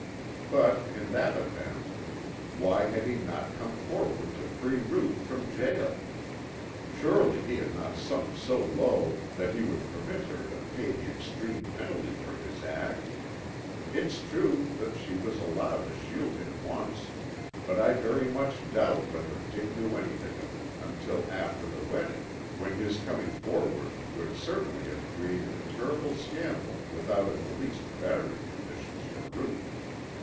But in that event why had he not come forward to free Ruth from jail? Surely he had not sunk so low that he would permit her to pay the extreme penalty for his act. It's true that she was allowed to shield him once, but I very much doubt whether Dick knew anything of it until after the wedding when his coming forward would certainly have created a terrible scandal without in the least bettering conditions for Ruth.